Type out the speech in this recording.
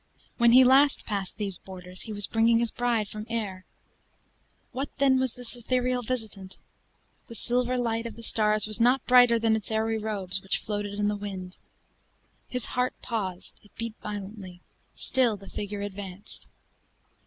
When he last passed these borders, he was bringing his bride from Ayr! What then was this ethereal visitant? The silver light of the stars was not brighter than its airy robes, which floated in the wind. His heart paused it beat violently still the figure advanced.